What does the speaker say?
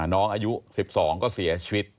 น้องอายุ๑๒ก็เสียชีวิต